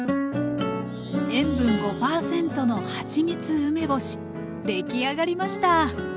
塩分５％のはちみつ梅干し出来上がりました。